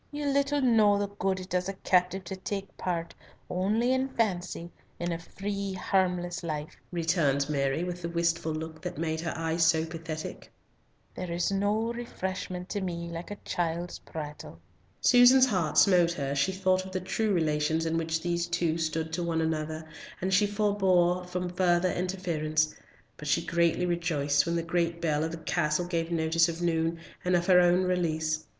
"You little know the good it does a captive to take part, only in fancy, in a free harmless life," returned Mary, with the wistful look that made her eyes so pathetic. "There is no refreshment to me like a child's prattle." Susan's heart smote her as she thought of the true relations in which these two stood to one another, and she forbore from further interference; but she greatly rejoiced when the great bell of the castle gave notice of noon, and of her own release.